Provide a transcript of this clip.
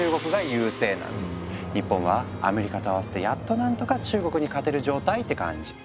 日本はアメリカと合わせてやっと何とか中国に勝てる状態って感じ。